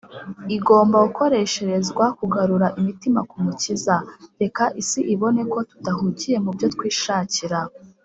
, igomba gukoresherezwa kugarura imitima k’Umukiza. Reka isi ibone ko tudahugiye mu byo twishakira